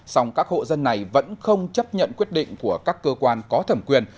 song các hộ dân này vẫn không chấp nhận quyết định của các cơ quan có thẩm quyền